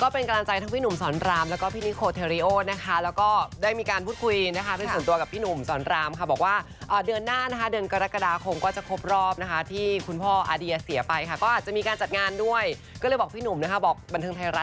เป็นกำลังใจค่ะคือจริงแล้วเรื่องความรักไม่มีใครอยากเลิกหรอกนะคะ